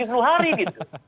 apalagi tujuh puluh hari gitu